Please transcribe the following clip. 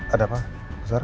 ada apa bu sara